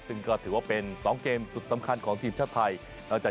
ซึ่งก็ถือว่าเป็น๒เกมสุดสำคัญของทีมชาติไทย